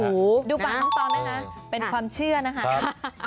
ดูปากน้องตองนะฮะเป็นความเชื่อนะครับ